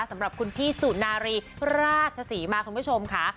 สำหรับคุณพี่สุนารีราชศรีมาคุณผู้ชมค่ะ